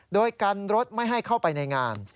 โดยกันรถไม่ให้เข้าไปในงาน